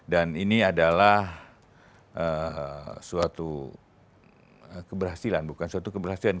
dan ini adalah suatu keberhasilan bukan suatu keberhasilan